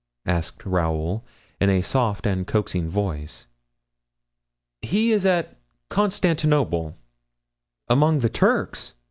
asked Raoul, in a soft and coaxing voice. "He is at Constantinople." "Among the Turks!"